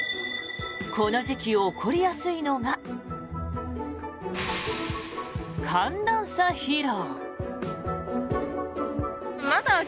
この時期起こりやすいのが寒暖差疲労。